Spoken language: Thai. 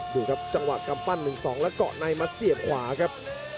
ดูครับจังหวะกำปั้น๑๒แล้วเกาะในมาเสียบขวาครับ